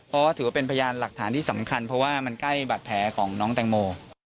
เพราะว่าถือว่าเป็นพยานหลักฐานที่สำคัญเพราะว่ามันใกล้บัตรแผลของน้องแตงโม